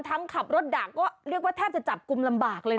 ทั้งขับรถดักก็เรียกว่าแทบจะจับกุมลำบากเลยนะ